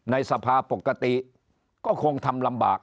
ในสภาปกติก็คงทำลำบาก